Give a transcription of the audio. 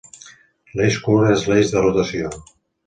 L'eix curt és l'eix de rotació.